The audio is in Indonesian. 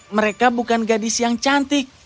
mereka bukan gadis yang cantik